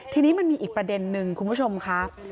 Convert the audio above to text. ทีนี้มันมีอีกประเด็นนึงคุณผู้ชมค่ะ